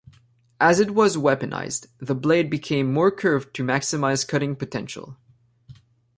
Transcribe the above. As it was weaponised, the blade became more curved to maximise cutting potential.